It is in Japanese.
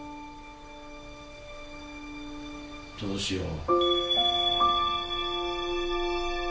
どうしよう。